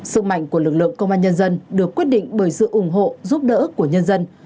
sức mạnh của lực lượng công an nhân dân được quyết định bởi sự ủng hộ giúp đỡ của nhân dân